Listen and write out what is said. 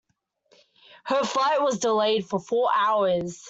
Her flight was delayed for four hours.